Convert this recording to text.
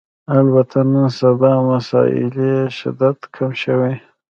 البته نن سبا مسألې شدت کم شوی